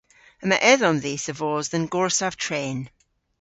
Yma edhom dhis a vos dhe'n gorsav tren.